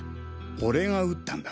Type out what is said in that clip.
俺が撃ったんだ。